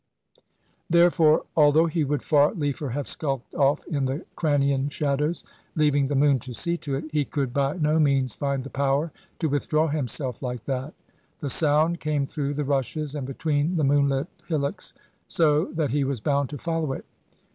Therefore, although he would far liefer have skulked off in the crannying shadows, leaving the moon to see to it, he could by no means find the power to withdraw himself like that. The sound came through the rushes, and between the moonlit hillocks so, that he was bound to follow it.